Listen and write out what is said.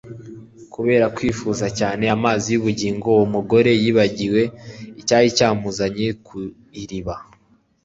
Kubera kwifuza cyane amazi y'ubugingo, uwo mugore yibagiwe icyari cyamuzanye ku iriba,